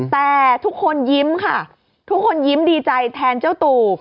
แต่ทุกคนยิ้มค่ะทุกคนยิ้มดีใจแทนเจ้าตู่